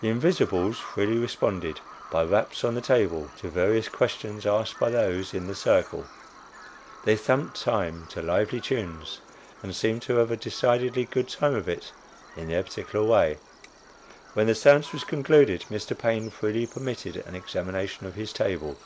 The "invisibles" freely responded, by raps on the table, to various questions asked by those in the "circle." They thumped time to lively tunes, and seemed to have a decidedly good time of it in their particular way. When the séance was concluded, Mr. Paine freely permitted an examination of his table.